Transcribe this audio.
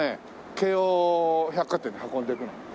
京王百貨店に運んでくの。